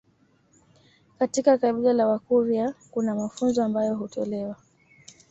Katika kabila la wakurya kuna mafunzo ambayo hutolewa